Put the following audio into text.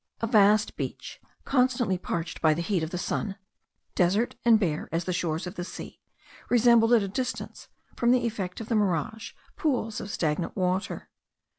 A vast beach, constantly parched by the heat of the sun, desert and bare as the shores of the sea, resembled at a distance, from the effect of the mirage, pools of stagnant water.